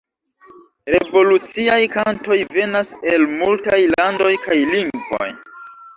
Revoluciaj kantoj venas el multaj landoj kaj lingvoj.